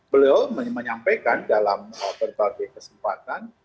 beliau menyampaikan dalam berbagai kesempatan